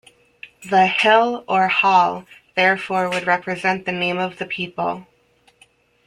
The "Hil-" or "Hal-" therefore would represent the name of the people.